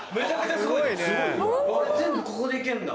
全部ここで行けんだ。